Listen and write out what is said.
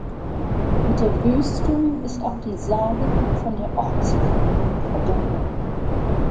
Mit der Wüstung ist auch die Sage von der Ortsgründung verbunden.